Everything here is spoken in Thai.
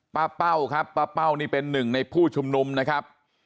เป้าครับป้าเป้านี่เป็นหนึ่งในผู้ชุมนุมนะครับ